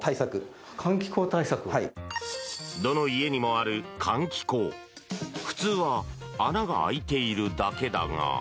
どの家にもある換気口普通は穴が開いているだけだが。